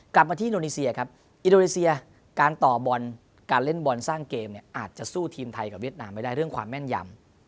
กลับมาที่อินโดนีเซียครับอินโดนีเซียการต่อบอลการเล่นบอลสร้างเกมเนี่ยอาจจะสู้ทีมไทยกับเวียดนามไม่ได้เรื่องความแม่นยำ